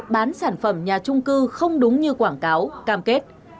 bán sản phẩm nhà trung cư không đúng như quảng cáo cam kết